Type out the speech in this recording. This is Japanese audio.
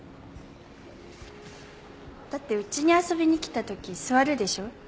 だって家に遊びに来た時座るでしょ？